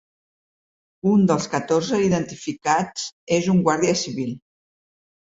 Un dels catorze identificats és un guàrdia civil.